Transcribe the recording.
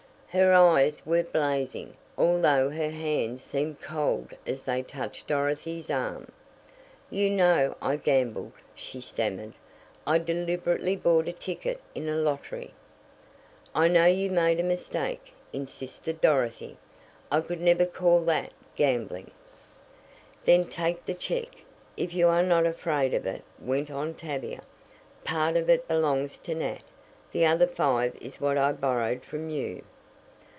Her eyes were blazing, although her hands seemed cold as they touched Dorothy's arm. "You know I gambled," she stammered. "I deliberately bought a ticket in a lottery." "I know you made a mistake," insisted Dorothy. "I could never call that gambling." "Then take the check, if you are not afraid of it," went on Tavia. "Part of it belongs to Nat the other five is what I borrowed from you."